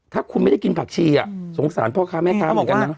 ถ้าคุณไม่ได้กินผักชีสงสารพ่อค้าแม่ค้าเหมือนกันนะ